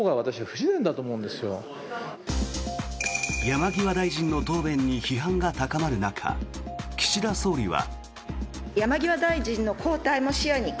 山際大臣の答弁に批判が高まる中岸田総理は。